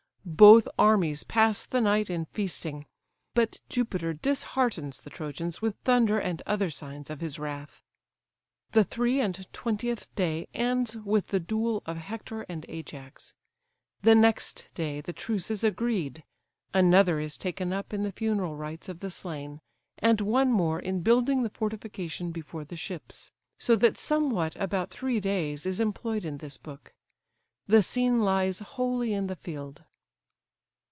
Both armies pass the night in feasting but Jupiter disheartens the Trojans with thunder, and other signs of his wrath. The three and twentieth day ends with the duel of Hector and Ajax, the next day the truce is agreed; another is taken up in the funeral rites of the slain and one more in building the fortification before the ships. So that somewhat about three days is employed in this book. The scene lies wholly in the field.